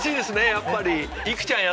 やっぱり。